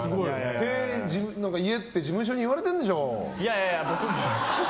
って言えって事務所に言われてるんでしょ。